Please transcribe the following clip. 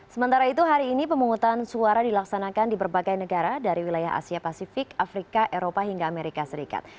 sementara itu hari ini pemungutan suara dilaksanakan di berbagai negara dari wilayah asia pasifik afrika eropa hingga amerika serikat